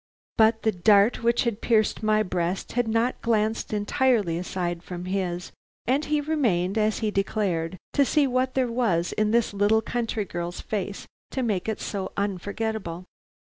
But the dart which had pierced my breast had not glanced entirely aside from his, and he remained, as he declared, to see what there was in this little country girl's face to make it so unforgettable.